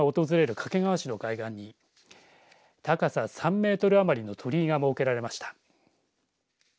掛川市の海岸に高さ３メートル余りの鳥居が設けられました。